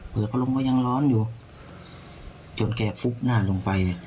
เปิดพระลมก็ยังร้อนอยู่จนแก่ปุ๊บหน้าลงไป